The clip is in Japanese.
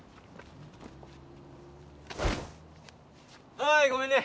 はいごめんね。